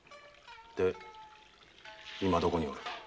で今どこにおる？